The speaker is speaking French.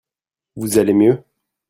Vous allez mieux ?